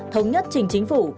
thống nhất trình chính phủ